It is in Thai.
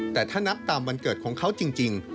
แต่ถ้านับตามวันเกิดของเขาจริง